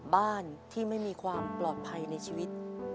บ้านที่ไม่มีความปลอดภัยในชีวิต